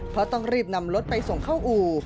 เพราะต้องรีบนำรถไปส่งเข้าอู่